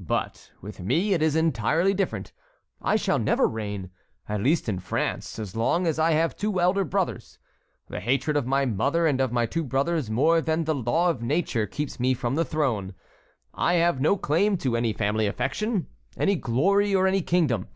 But with me it is entirely different. I shall never reign—at least in France—as long as I have two elder brothers. The hatred of my mother and of my two brothers more than the law of nature keeps me from the throne. I have no claim to any family affection, any glory, or any kingdom.